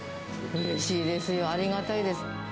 うれしいですよ、ありがたいです。